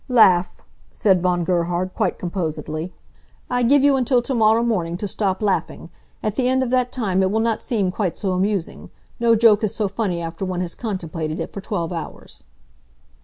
"Laugh," said Von Gerhard, quite composedly. "I give you until to morrow morning to stop laughing. At the end of that time it will not seem quite so amusing. No joke is so funny after one has contemplated it for twelve hours."